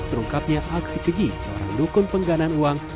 terungkapnya aksi keji seorang dukun pengganan uang